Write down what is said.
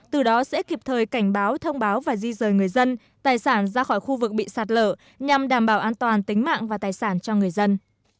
từ đó sẽ kịp thời cảnh báo thông báo và di rời người dân tài sản ra khỏi khu vực bị sạt lở nhằm đảm bảo an toàn tính mạng và tài sản cho người dân